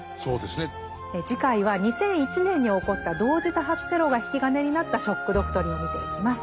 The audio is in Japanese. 次回は２００１年に起こった同時多発テロが引き金になった「ショック・ドクトリン」見ていきます。